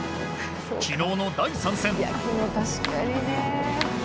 昨日の第３戦。